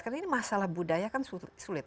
karena ini masalah budaya kan sulit